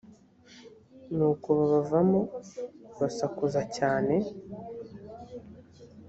ni uko babavamo basakuza cyane